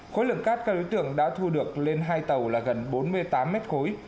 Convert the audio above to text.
khối lượng cát các đối tượng đã thu được lên hai tàu là gần bốn mươi tám mét khối